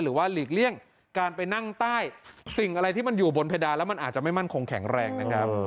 หลีกเลี่ยงการไปนั่งใต้สิ่งอะไรที่มันอยู่บนเพดานแล้วมันอาจจะไม่มั่นคงแข็งแรงนะครับ